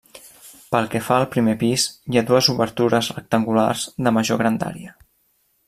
Pel que fa al primer pis, hi ha dues obertures rectangulars de major grandària.